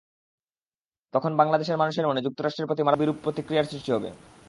তখন বাংলাদেশের মানুষের মনে যুক্তরাষ্ট্রের প্রতি মারাত্মক বিরূপ প্রতিক্রিয়ার সৃষ্টি হবে।